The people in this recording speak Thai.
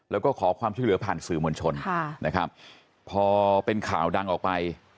แล้วก็ขอความช่วยเหลือผ่านสื่อมวลชนค่ะนะครับพอเป็นข่าวดังออกไป